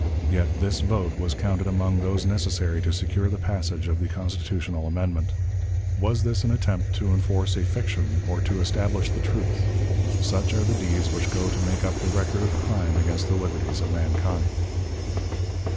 Yet this vote was counted among those necessary to secure the passage of the constitutional amendment. Was this an attempt to enforce a fiction or to establish the truth? Such are the deeds which go to make up the record of crime against the liberties of mankind.